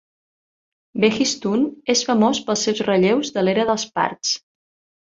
Behistun és famós pels seus relleus de l'era dels parts.